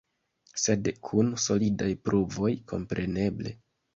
Sed kun solidaj pruvoj, kompreneble.